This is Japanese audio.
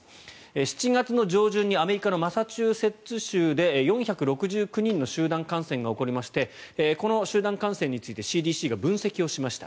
７月上旬にアメリカのマサチューセッツ州で４６９人の集団感染が起こりましてこの集団感染についてＣＤＣが分析をしました。